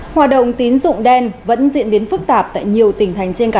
hòa đồng tín dụng đen vẫn diễn biến phức tạp tại nhiều tỉnh thành trên cảnh sát